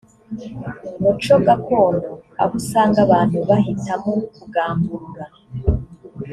muco gakondo aho usanga abantu bahitamo kugamburura